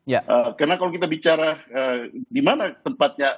karena kalau kita bicara di mana tempatnya